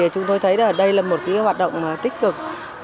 chúng tôi thấy đây là một hoạt động tích cực